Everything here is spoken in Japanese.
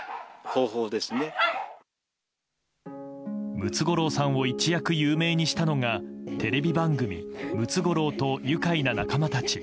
ムツゴロウさんを一躍有名にしたのがテレビ番組「ムツゴロウとゆかいな仲間たち」。